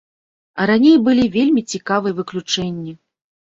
А раней былі вельмі цікавыя выключэнні.